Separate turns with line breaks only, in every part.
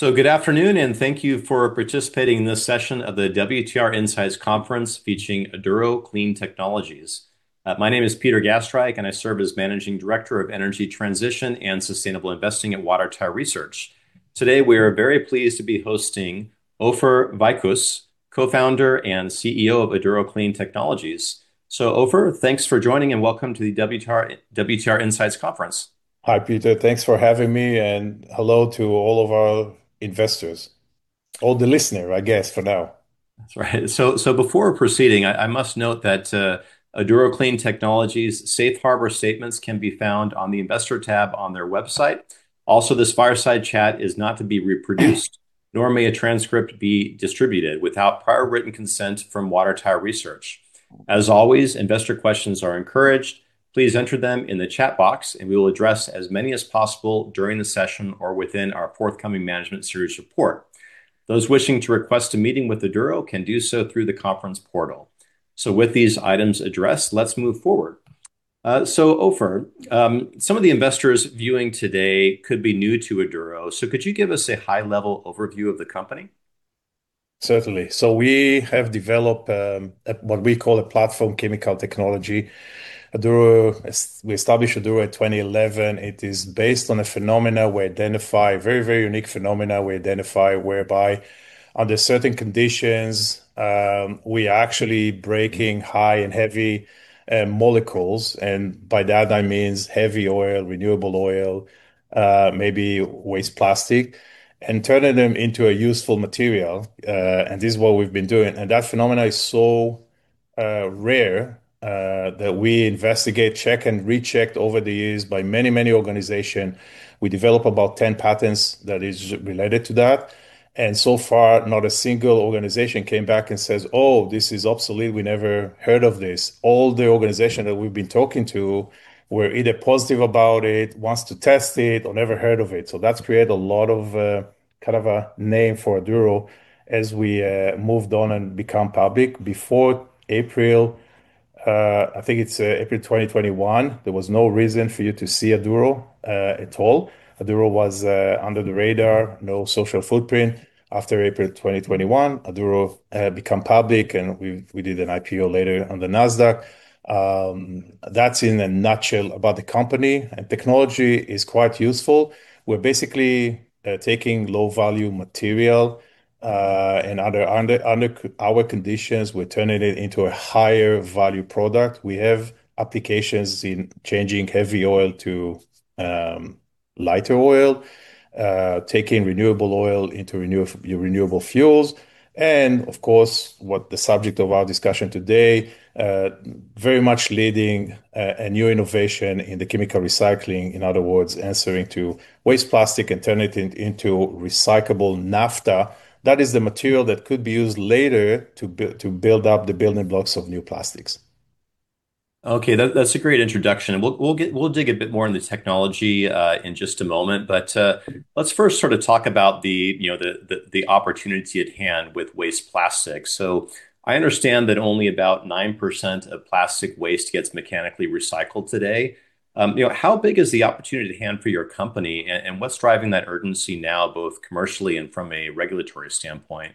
Good afternoon, and thank you for participating in this session of the WTR Insights Conference featuring Aduro Clean Technologies. My name is Peter Gastreich, and I serve as Managing Director of Energy Transition and Sustainable Investing at Water Tower Research. Today, we are very pleased to be hosting Ofer Vicus, Co-Founder and CEO of Aduro Clean Technologies. Ofer, thanks for joining and welcome to the WTR Insights Conference.
Hi, Peter. Thanks for having me and hello to all of our investors. All the listeners, I guess for now.
That's right. Before proceeding, I must note that Aduro Clean Technologies' safe harbor statements can be found on the investor tab on their website. Also, this fireside chat is not to be reproduced, nor may a transcript be distributed without prior written consent from Water Tower Research. As always, investor questions are encouraged. Please enter them in the chat box and we will address as many as possible during the session or within our forthcoming management series report. Those wishing to request a meeting with Aduro can do so through the conference portal. With these items addressed, let's move forward. Ofer, some of the investors viewing today could be new to Aduro, so could you give us a high-level overview of the company?
Certainly. We have developed what we call a platform chemical technology. We established Aduro in 2011. It is based on a very unique phenomena we identify whereby under certain conditions, we are actually breaking high and heavy molecules. By that I mean heavy oil, renewable oil, maybe waste plastic, and turning them into a useful material. This is what we've been doing. That phenomena is so rare that we investigate, check, and rechecked over the years by many organization. We develop about 10 patents that is related to that. So far, not a single organization came back and says, "Oh, this is obsolete. We never heard of this." All the organization that we've been talking to were either positive about it, wants to test it, or never heard of it. That's created a lot of, kind of a name for Aduro as we moved on and become public. Before April, I think it's April 2021, there was no reason for you to see Aduro at all. Aduro was under the radar, no social footprint. After April 2021, Aduro become public and we did an IPO later on the Nasdaq. That's in a nutshell about the company, and technology is quite useful. We're basically taking low-value material, and under our conditions, we're turning it into a higher value product. We have applications in changing heavy oil to lighter oil, taking renewable oil into renewable fuels and, of course, what the subject of our discussion today, very much leading a new innovation in the chemical recycling. In other words, answering to waste plastic and turn it into recyclable naphtha. That is the material that could be used later to build up the building blocks of new plastics.
Okay, that's a great introduction, and we'll dig a bit more into technology in just a moment. Let's first sort of talk about the opportunity at hand with waste plastic. I understand that only about 9% of plastic waste gets mechanically recycled today. How big is the opportunity at hand for your company, and what's driving that urgency now, both commercially and from a regulatory standpoint?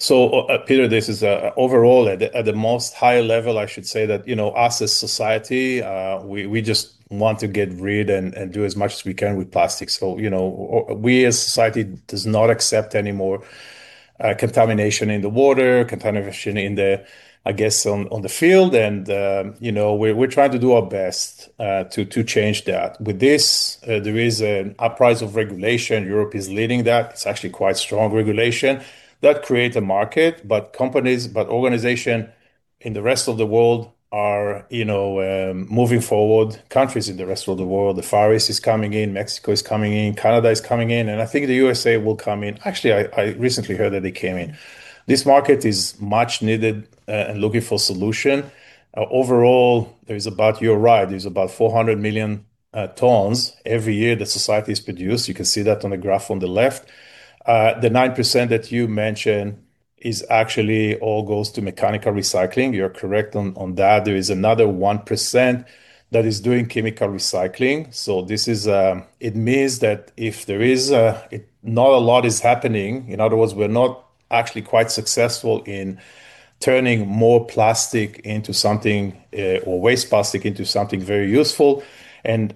Peter, this is overall at the most high level, I should say that, us as society, we just want to get rid and do as much as we can with plastic. We as society does not accept any more contamination in the water, contamination, I guess, on the field. We're trying to do our best to change that. With this, there is an uprise of regulation. Europe is leading that. It's actually quite strong regulation. That create a market, but companies, organization in the rest of the world are moving forward. Countries in the rest of the world, the Far East is coming in, Mexico is coming in, Canada is coming in, and I think the USA will come in. Actually, I recently heard that they came in. This market is much needed, and looking for solution. Overall, there is about, you're right, there's about 400 million tons every year that society has produced. You can see that on the graph on the left. The 9% that you mentioned is actually all goes to mechanical recycling. You're correct on that. There is another 1% that is doing chemical recycling. It means that not a lot is happening. In other words, we're not actually quite successful in turning more plastic into something, or waste plastic into something very useful.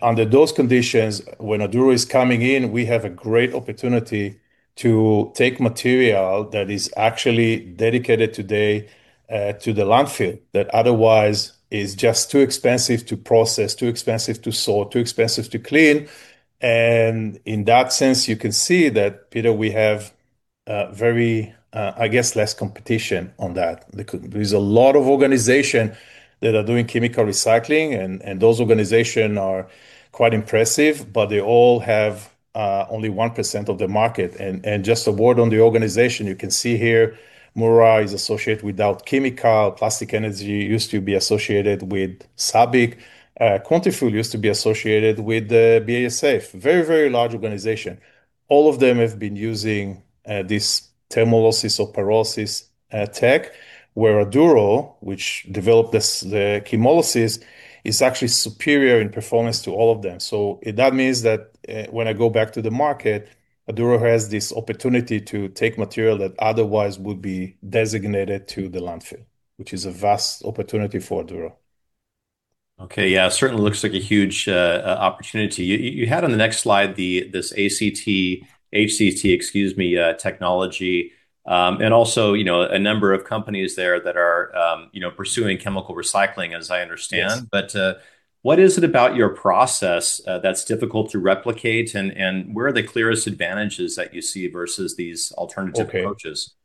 Under those conditions, when Aduro is coming in, we have a great opportunity to take material that is actually dedicated today to the landfill, that otherwise is just too expensive to process, too expensive to sort, too expensive to clean, and in that sense, you can see that, Peter, we have very, I guess, less competition on that. There's a lot of organization that are doing chemical recycling, and those organization are quite impressive, but they all have only 1% of the market. Just a word on the organization, you can see here, Mura is associated with Dow Chemical. Plastic Energy used to be associated with SABIC. Quantafuel used to be associated with BASF, very large organization. All of them have been using this thermolysis or pyrolysis tech, where Aduro, which developed this, the chemolysis, is actually superior in performance to all of them. That means that when I go back to the market, Aduro has this opportunity to take material that otherwise would be designated to the landfill, which is a vast opportunity for Aduro.
Okay. Yeah. It certainly looks like a huge opportunity. You had on the next slide this HCT technology and also a number of companies there that are pursuing chemical recycling, as I understand.
Yes.
But what is it about your process that's difficult to replicate, and where are the clearest advantages that you see versus these alternative approaches?
Okay.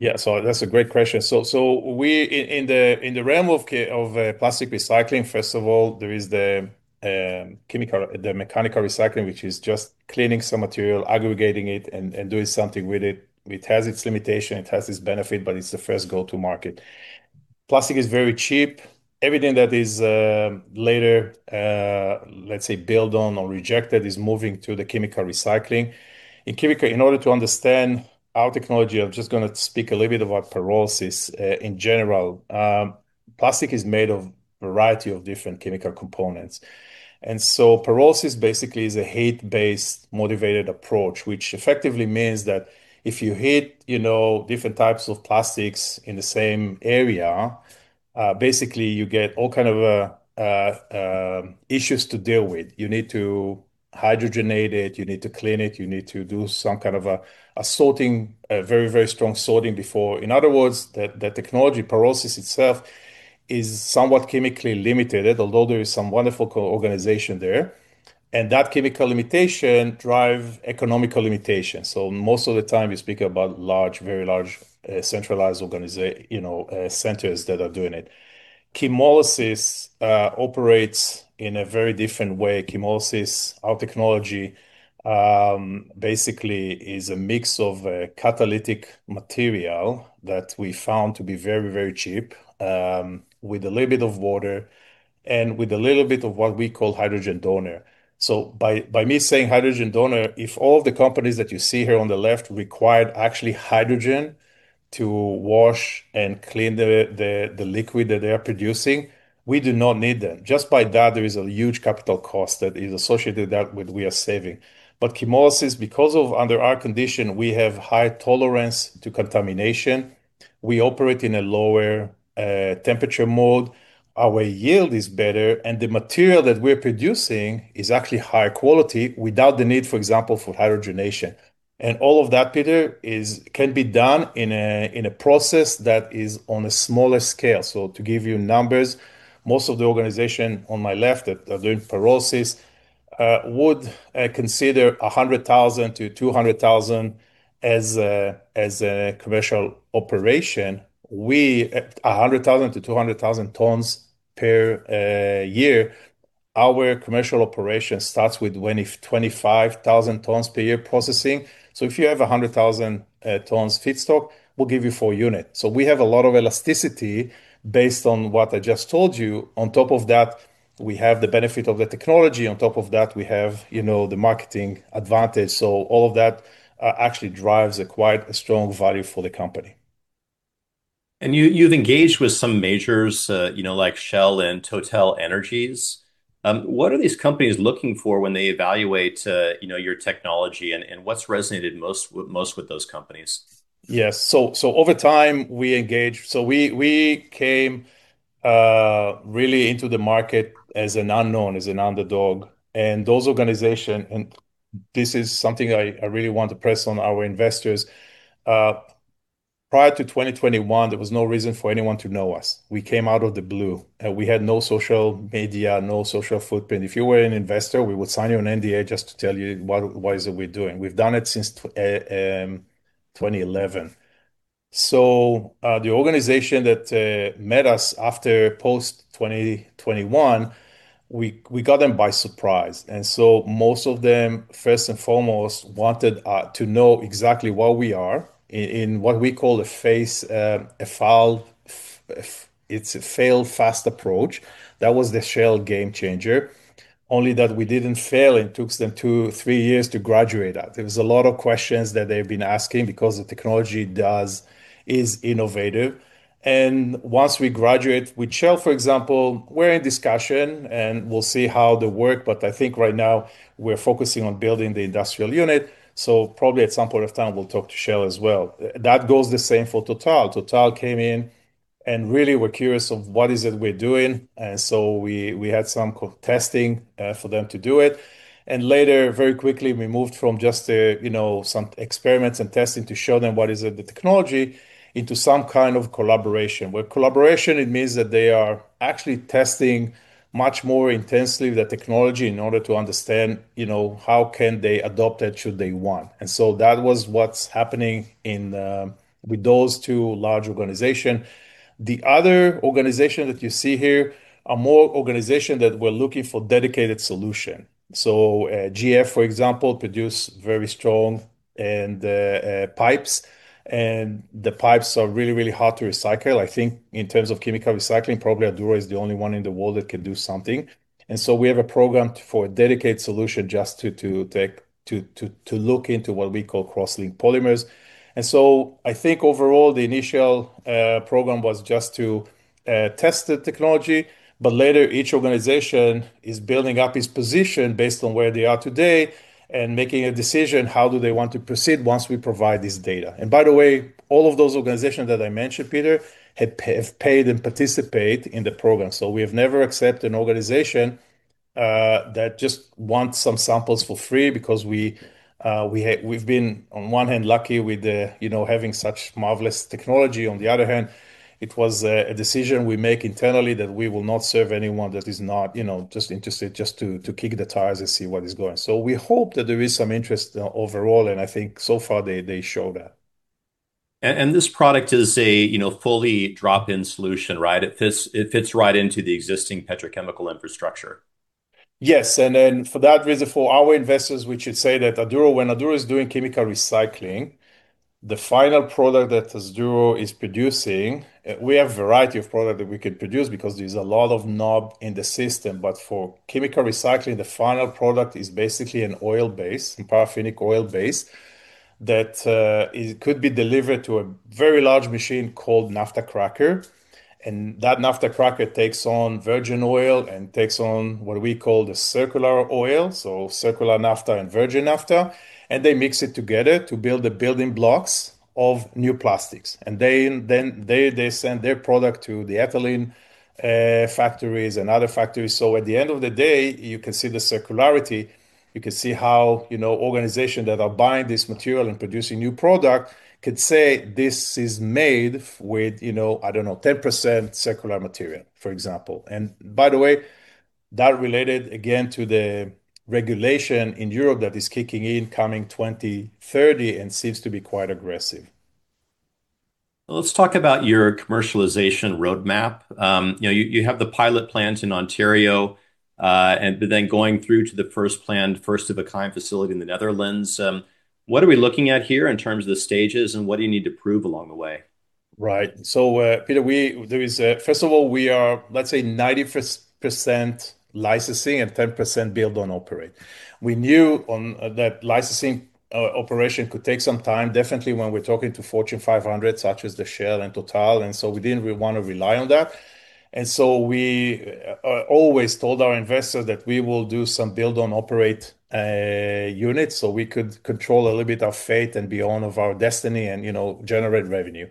Yeah, that's a great question. In the realm of plastic recycling, first of all, there is the mechanical recycling, which is just cleaning some material, aggregating it, and doing something with it. It has its limitation, it has its benefit, but it's the first go-to market. Plastic is very cheap. Everything that is later, let's say, build on or rejected is moving to the chemical recycling. In chemical, in order to understand our technology, I'm just going to speak a little bit about pyrolysis in general. Plastic is made of a variety of different chemical components. Pyrolysis basically is a heat-based motivated approach, which effectively means that if you heat different types of plastics in the same area, basically you get all kind of issues to deal with. You need to hydrogenate it, you need to clean it, you need to do some kind of a very strong sorting before. In other words, the technology, pyrolysis itself, is somewhat chemically limited, although there is some wonderful organization there. That chemical limitation drive economical limitation. Most of the time you speak about very large centralized centers that are doing it. Chemolysis operates in a very different way. Chemolysis, our technology, basically is a mix of a catalytic material that we found to be very cheap, with a little bit of water and with a little bit of what we call hydrogen donor. By me saying hydrogen donor, if all the companies that you see here on the left required actually hydrogen to wash and clean the liquid that they are producing, we do not need them. Just by that, there is a huge capital cost that is associated that with we are saving. Chemolysis, because of under our condition, we have high tolerance to contamination, we operate in a lower temperature mode, our yield is better, and the material that we're producing is actually higher quality without the need, for example, for hydrogenation. All of that, Peter, can be done in a process that is on a smaller scale. To give you numbers, most of the organization on my left that are doing pyrolysis would consider 100,000-200,000 as a commercial operation. We, at 100,000-200,000 tons per year, our commercial operation starts with 25,000 tons per year processing. If you have 100,000 tons feedstock, we'll give you four unit. We have a lot of elasticity based on what I just told you. On top of that, we have the benefit of the technology. On top of that, we have the marketing advantage. All of that actually drives a quite strong value for the company.
You've engaged with some majors, like Shell and TotalEnergies. What are these companies looking for when they evaluate your technology, and what's resonated most with those companies?
Yes. Over time, we engaged. We came really into the market as an unknown, as an underdog. This is something I really want to press on our investors. Prior to 2021, there was no reason for anyone to know us. We came out of the blue, and we had no social media, no social footprint. If you were an investor, we would sign you an NDA just to tell you what is it we're doing. We've done it since 2011. The organization that met us after post-2021, we got them by surprise. Most of them, first and foremost, wanted to know exactly what we are in what we call a fail fast approach. That was the Shell GameChanger, only that we didn't fail, and it took them two, three years to graduate that. There was a lot of questions that they've been asking because the technology is innovative. Once we graduate with Shell, for example, we're in discussion, and we'll see how they work. I think right now we're focusing on building the industrial unit. Probably at some point of time we'll talk to Shell as well. That goes the same for Total. Total came in and really were curious of what is it we're doing. We had some testing for them to do it. Later, very quickly, we moved from just some experiments and testing to show them what is the technology into some kind of collaboration. With collaboration, it means that they are actually testing much more intensely the technology in order to understand how can they adopt it should they want. That was what's happening with those two large organization. The other organization that you see here are more organization that were looking for dedicated solution. GF, for example, produce very strong pipes. The pipes are really hard to recycle. I think in terms of chemical recycling, probably Aduro is the only one in the world that can do something. We have a program for a dedicated solution just to look into what we call cross-linked polymers. I think overall, the initial program was just to test the technology, but later each organization is building up its position based on where they are today and making a decision, how do they want to proceed once we provide this data? By the way, all of those organizations that I mentioned, Peter, have paid and participate in the program. We have never accepted an organization that just wants some samples for free because we've been, on one hand, lucky with having such marvelous technology. On the other hand, it was a decision we make internally that we will not serve anyone that is not just interested just to kick the tires and see what is going. We hope that there is some interest overall, and I think so far they show that.
This product is a fully drop-in solution, right? It fits right into the existing petrochemical infrastructure.
Yes. For that reason, for our investors, we should say that when Aduro is doing chemical recycling, the final product that Aduro is producing, we have a variety of product that we could produce because there's a lot of knob in the system. For chemical recycling, the final product is basically an oil base, a paraffinic oil base, that it could be delivered to a very large machine called naphtha cracker. That naphtha cracker takes on virgin oil and takes on what we call the circular oil, so circular naphtha and virgin naphtha, and they mix it together to build the building blocks of new plastics. They send their product to the ethylene factories and other factories. At the end of the day, you can see the circularity, you can see how organization that are buying this material and producing new product could say this is made with, I don't know, 10% circular material, for example. By the way, that related again to the regulation in Europe that is kicking in coming 2030 and seems to be quite aggressive.
Let's talk about your commercialization roadmap. You have the pilot plants in Ontario. Going through to the first planned first of a kind facility in the Netherlands, what are we looking at here in terms of the stages, and what do you need to prove along the way?
Right. Peter, first of all, we are, let's say, 90% licensing and 10% build on operate. We knew that licensing operation could take some time, definitely when we're talking to Fortune 500, such as the Shell and Total, and so we didn't really want to rely on that. We always told our investors that we will do some build on operate units so we could control a little bit of fate and be owner of our destiny and generate revenue.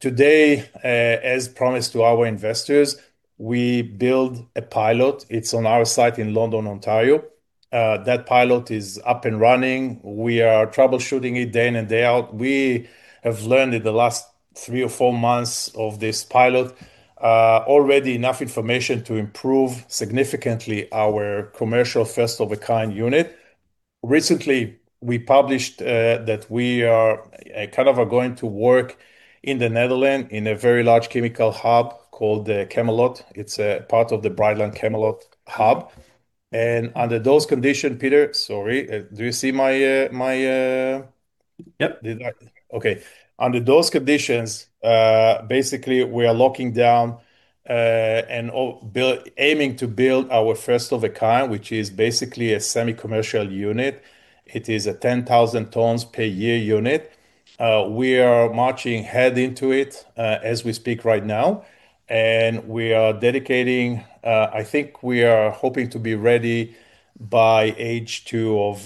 Today, as promised to our investors, we build a pilot. It's on our site in London, Ontario. That pilot is up and running. We are troubleshooting it day in and day out. We have learned in the last three or four months of this pilot already enough information to improve significantly our commercial first of a kind unit. Recently, we published that we are going to work in the Netherlands in a very large chemical hub called the Chemelot. It's a part of the Brightlands Chemelot hub. Under those conditions, Peter, sorry.
Yep.
Okay. Under those conditions, basically we are locking down and aiming to build our first of a kind, which is basically a semi-commercial unit. It is a 10,000 tons per year unit. We are marching head into it as we speak right now, and I think we are hoping to be ready by H2 of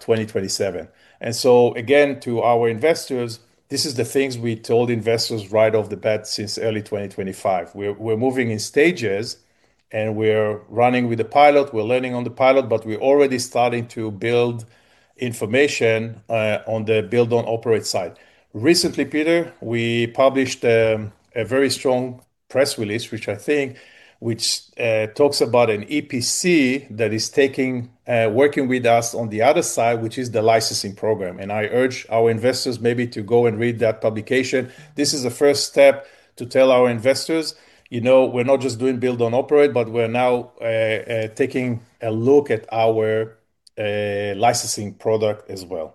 2027. Again, to our investors, this is the things we told investors right off the bat since early 2025. We're moving in stages, and we're running with the pilot. We're learning on the pilot, but we're already starting to build information on the build on operate side. Recently, Peter, we published a very strong press release, which talks about an EPC that is working with us on the other side, which is the licensing program, and I urge our investors maybe to go and read that publication. This is the first step to tell our investors we're not just doing build-own-operate, but we're now taking a look at our licensing product as well.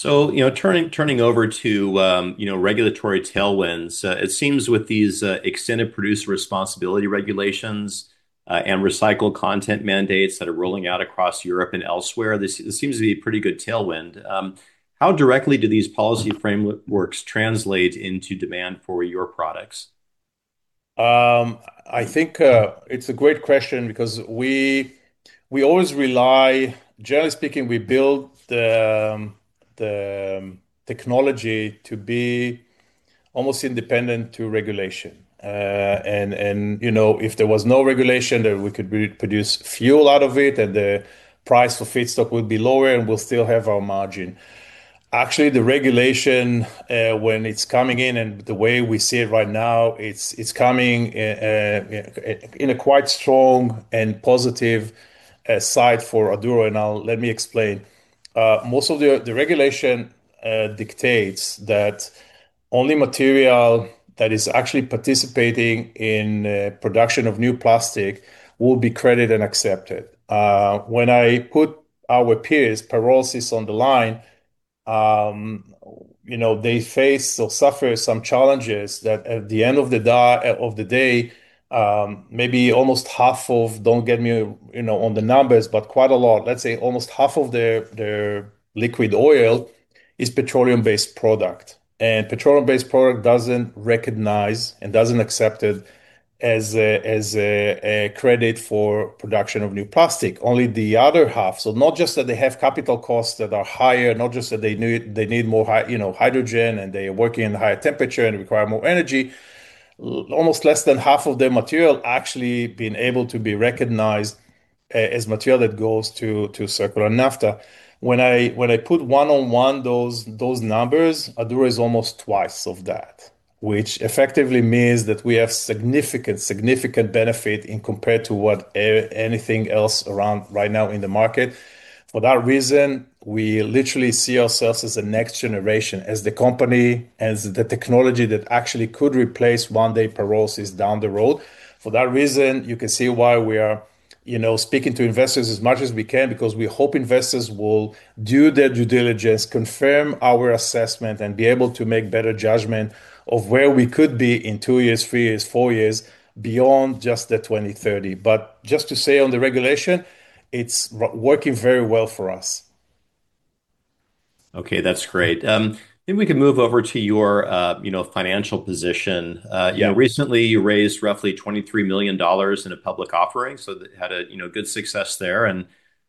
Turning over to regulatory tailwinds, it seems with these extended producer responsibility regulations and recycled content mandates that are rolling out across Europe and elsewhere, this seems to be a pretty good tailwind. How directly do these policy frameworks translate into demand for your products?
I think it's a great question because we always rely, generally speaking, we build the technology to be almost independent to regulation. If there was no regulation, then we could produce fuel out of it, and the price for feedstock would be lower, and we'll still have our margin. Actually, the regulation, when it's coming in and the way we see it right now, it's coming in a quite strong and positive side for Aduro, and now let me explain. Most of the regulation dictates that only material that is actually participating in production of new plastic will be credited and accepted. When I put our peers' pyrolysis on the line, they face or suffer some challenges that at the end of the day, maybe almost half of, don't get me on the numbers, but quite a lot. Let's say almost half of their liquid oil is petroleum-based product. Petroleum-based product doesn't recognize and doesn't accept it as a credit for production of new plastic, only the other half. Not just that they have capital costs that are higher, not just that they need more hydrogen and they work in higher temperature and require more energy. Almost less than half of their material actually been able to be recognized as material that goes to circular naphtha. When I put one-on-one those numbers, Aduro is almost twice of that, which effectively means that we have significant benefit in compared to anything else around right now in the market. For that reason, we literally see ourselves as a next generation, as the company, as the technology that actually could replace one day pyrolysis down the road. For that reason, you can see why we are speaking to investors as much as we can because we hope investors will do their due diligence, confirm our assessment, and be able to make better judgment of where we could be in two years, three years, four years, beyond just the 2030. Just to say on the regulation, it's working very well for us.
Okay, that's great. Maybe we can move over to your financial position.
Yeah.
Recently, you raised roughly 23 million dollars in a public offering, so had a good success there.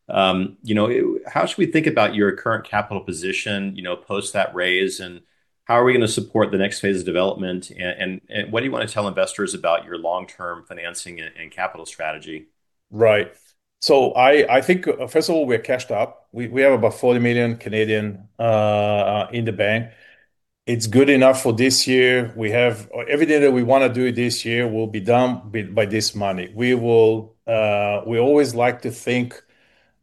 How should we think about your current capital position post that raise, and how are we going to support the next phase of development? What do you want to tell investors about your long-term financing and capital strategy?
Right. I think first of all, we're cashed up. We have about 40 million in the bank. It's good enough for this year. Everything that we want to do this year will be done by this money. We always like to think,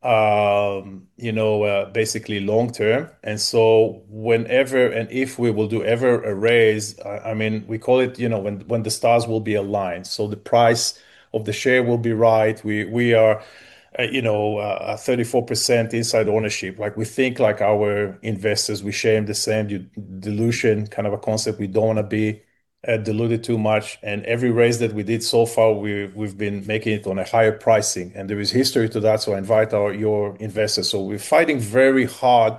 basically long-term. Whenever and if we will do ever a raise, we call it when the stars will be aligned. The price of the share will be right. We are 34% inside ownership. We think like our investors. We share the same dilution kind of a concept. We don't want to be diluted too much. Every raise that we did so far, we've been making it on a higher pricing. There is history to that. Invite your investors. We're fighting very hard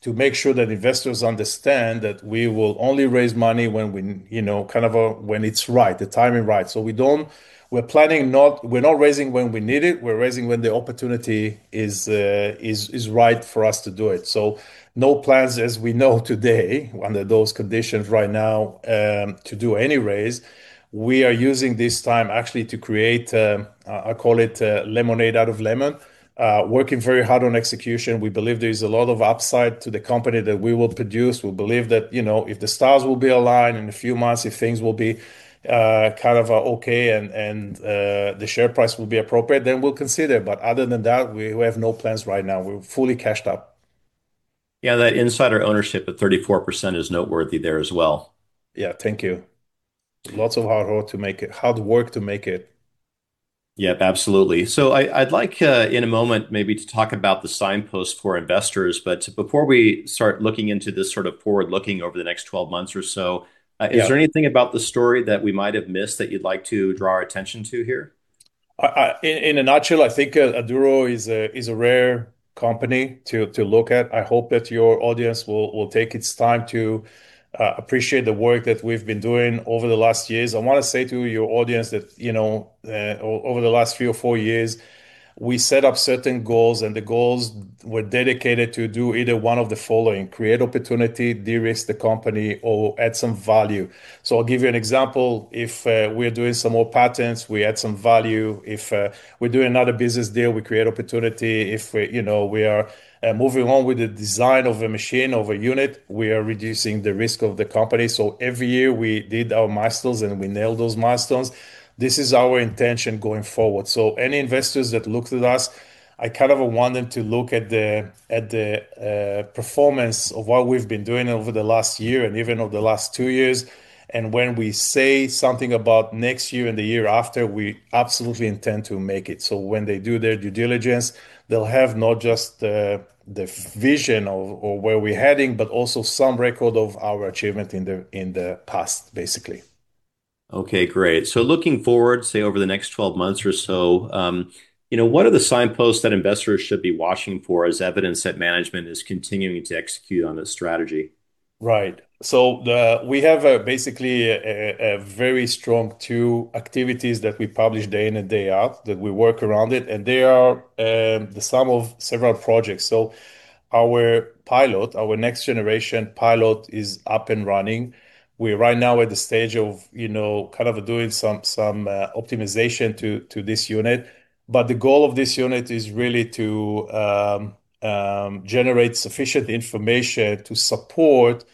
to make sure that investors understand that we will only raise money when it's right, the timing right. We're not raising when we need it. We're raising when the opportunity is right for us to do it. We have no plans as we know today, under those conditions right now, to do any raise. We are using this time actually to create, I call it lemonade out of lemon. We are working very hard on execution. We believe there is a lot of upside to the company that we will produce. We believe that, if the stars will be aligned in a few months, if things will be kind of okay and the share price will be appropriate, then we'll consider. Other than that, we have no plans right now. We're fully cashed up.
Yeah, that insider ownership at 34% is noteworthy there as well.
Yeah. Thank you. Lots of hard work to make it.
Yep, absolutely. I'd like, in a moment maybe to talk about the signpost for investors, but before we start looking into this sort of forward-looking over the next 12 months or so.
Yeah.
Is there anything about the story that we might have missed that you'd like to draw our attention to here?
In a nutshell, I think Aduro is a rare company to look at. I hope that your audience will take its time to appreciate the work that we've been doing over the last years. I want to say to your audience that over the last three or four years, we set up certain goals, and the goals were dedicated to do either one of the following, create opportunity, de-risk the company, or add some value. I'll give you an example. If we're doing some more patents, we add some value. If we do another business deal, we create opportunity. If we are moving along with the design of a machine, of a unit, we are reducing the risk of the company. Every year we did our milestones and we nail those milestones. This is our intention going forward. Any investors that look to us, I kind of want them to look at the performance of what we've been doing over the last year and even over the last two years. When we say something about next year and the year after, we absolutely intend to make it. When they do their due diligence, they'll have not just the vision of where we're heading, but also some record of our achievement in the past, basically.
Okay, great. Looking forward, say, over the next 12 months or so, what are the signposts that investors should be watching for as evidence that management is continuing to execute on this strategy?
Right. We have basically a very strong two activities that we publish day in and day out that we work around it, and they are the sum of several projects. Our next-generation pilot is up and running. We're right now at the stage of kind of doing some optimization to this unit. The goal of this unit is really to generate sufficient information to support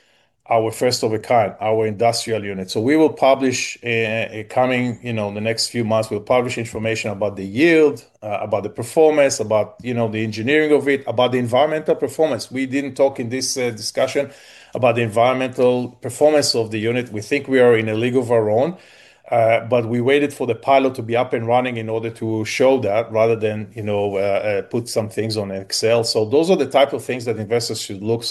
our first of a kind, our industrial unit. We will publish in the next few months information about the yield, about the performance, about the engineering of it, about the environmental performance. We didn't talk in this discussion about the environmental performance of the unit. We think we are in a league of our own. We waited for the pilot to be up and running in order to show that rather than put some things on Excel. Those are the type of things that investors should look.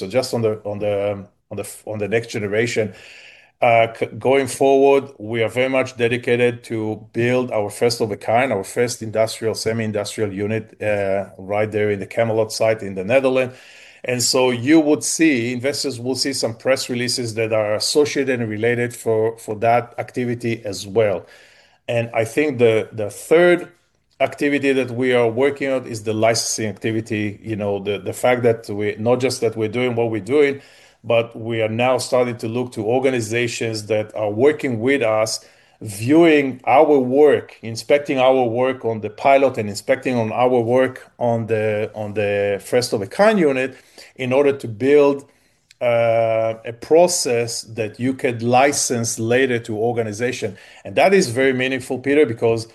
Going forward, we are very much dedicated to build our first of a kind, our first industrial, semi-industrial unit right there in the Chemelot site in the Netherlands. Investors will see some press releases that are associated and related for that activity as well. I think the third activity that we are working on is the licensing activity. The fact that not just that we're doing what we're doing, but we are now starting to look to organizations that are working with us, viewing our work, inspecting our work on the pilot and inspecting on our work on the first of a kind unit in order to build a process that you could license later to organization. That is very meaningful, Peter, because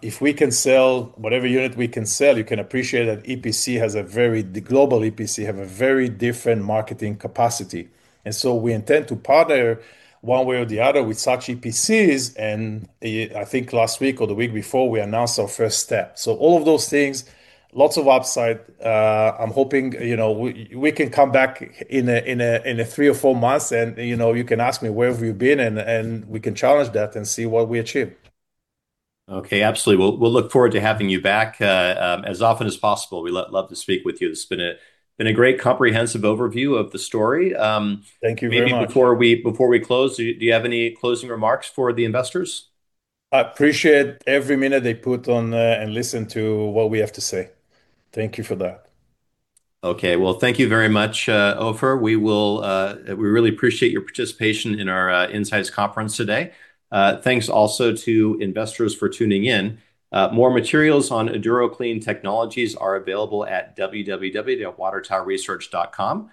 if we can sell whatever unit we can sell, you can appreciate that the global EPC have a very different marketing capacity. We intend to partner one way or the other with such EPCs, and I think last week or the week before, we announced our first step. All of those things, lots of upside. I'm hoping we can come back in three or four months, and you can ask me where have we been, and we can challenge that and see what we achieved.
Okay, absolutely. We'll look forward to having you back as often as possible. We love to speak with you. It's been a great comprehensive overview of the story.
Thank you very much.
Maybe before we close, do you have any closing remarks for the investors?
I appreciate every minute they put on and listen to what we have to say. Thank you for that.
Okay. Well, thank you very much, Ofer. We really appreciate your participation in our Insights Conference today. Thanks also to investors for tuning in. More materials on Aduro Clean Technologies are available at www.watertowerresearch.com.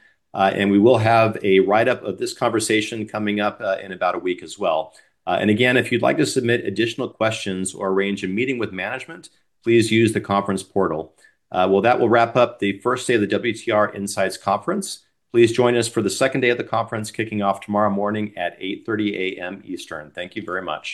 We will have a write-up of this conversation coming up in about a week as well. Again, if you'd like to submit additional questions or arrange a meeting with management, please use the conference portal. Well, that will wrap up the first day of the WTR Insights Conference. Please join us for the second day of the conference kicking off tomorrow morning at 8:30 A.M. Eastern. Thank you very much.